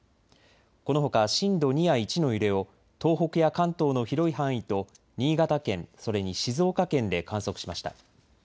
このほか震度２や１の揺れを東北や関東の広い範囲と新潟県、それに静岡県で観測しました。